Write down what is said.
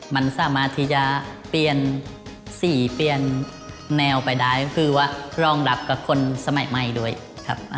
มันสามารถที่จะเปลี่ยนสีเปลี่ยนแนวไปได้ก็คือว่ารองรับกับคนสมัยใหม่ด้วยครับ